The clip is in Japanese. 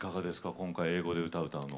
今回、英語で歌を歌うの。